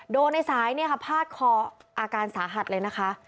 โดนในสายเนี่ยค่ะพาดคออาการสาหัสเลยนะคะ